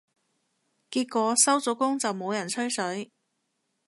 結果收咗工就冇人吹水